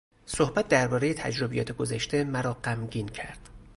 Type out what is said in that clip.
صحبت دربارهی تجربیات گذشته مرا غمگین کرد.